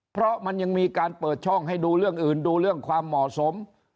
เพราะมันยังมีการเปิดช่องให้ดูเรื่องอื่นดูเรื่องความเหมาะสม